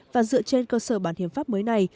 và dựa trên cơ sở bản hiến pháp mới này